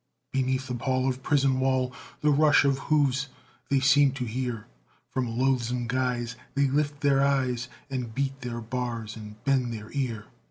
Beneath the pall of prison wall The rush of hoofs they seem to hear; From loathsome guise they lift their eyes, And beat their bars and bend their ear.